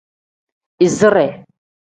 Izire.